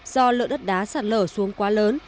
do lượng đất đá sạt lở xuống quá lớn